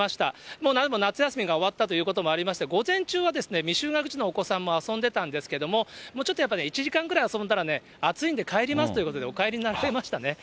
もう夏休みが終わったということもありまして、午前中は未就学児のお子さんも遊んでたんですけれども、ちょっとやっぱりね、１時間ぐらい遊んだらね、暑いんで帰りますということで、お帰りになられましたね。